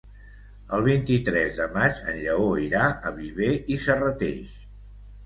El vint-i-tres de maig en Lleó irà a Viver i Serrateix.